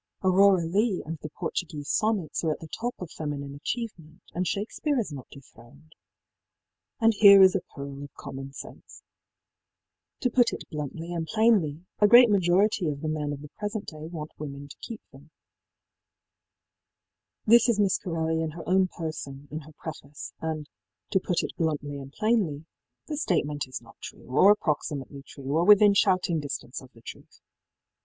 ëAurora Leighí and the Portuguese Sonnets are at the top of feminine achievement, and Shakespeare is not dethroned. And here is a pearl of common sense: ëTo put it bluntly and plainly, a great majority of the men of the present day want women to keep them,í This is Miss Corelli in her own person in her preface, and, ëto put it bluntly and plainly,í the statement is not true, or approximately true, or within shouting distance of the truth.